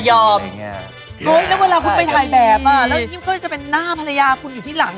เย้นอนเวลาคุณไปถ่ายแบบอะแล้วยังค่อยจะเป็นหน้าภรรยาคุณอยู่ทีหลัง